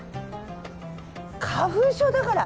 花粉症だから。